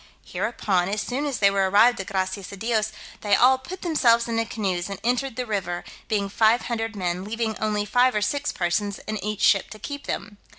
Hereupon, as soon as they were arrived at Gracias a Dios, they all put themselves into canoes, and entered the river, being five hundred men, leaving only five or six persons in each ship to keep them.